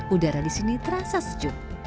udara di sini terasa sejuk